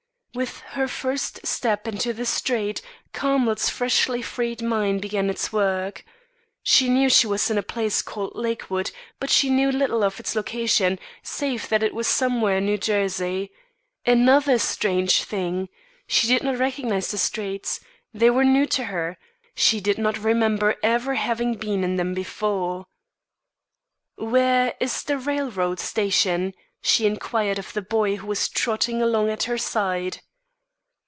With her first step into the street, Carmel's freshly freed mind began its work. She knew she was in a place called Lakewood, but she knew little of its location, save that it was somewhere in New Jersey. Another strange thing! she did not recognise the streets. They were new to her. She did not remember ever having been in them before. "Where is the railroad station?" she inquired of the boy who was trotting along at her side.